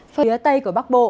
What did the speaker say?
phía tây của bắc bộ